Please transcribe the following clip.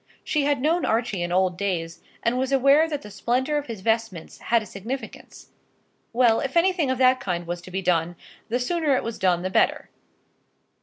She had known Archie in old days, and was aware that the splendour of his vestments had a significance. Well, if anything of that kind was to be done, the sooner it was done the better.